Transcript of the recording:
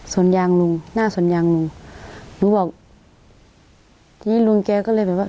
สวนยางลุงหน้าสวนยางลุงหนูบอกทีนี้ลุงแกก็เลยแบบว่า